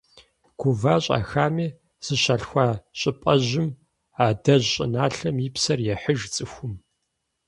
Гува-щӏэхами, зыщалъхуа щӏыпӏэжьым, адэжь щӏыналъэм и псэр ехьыж цӏыхум.